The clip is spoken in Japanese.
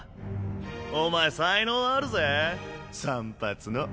お前才能あるぜ散髪の。